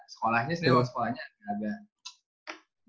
sekolahnya sih sekolahnya agak